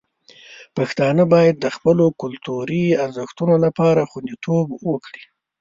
پښتانه باید د خپلو کلتوري ارزښتونو لپاره خوندیتوب وکړي.